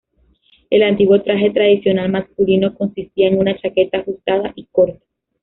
El antiguo traje tradicional masculino consistía en una chaqueta ajustada y corta.